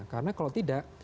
karena kalau tidak